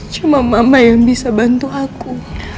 cuma mama yang bisa bantu aku